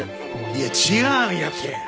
いや違うんやて。